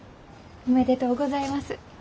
おめでとうございます。